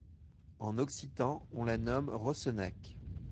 En occitan, on la nomme Rocennac.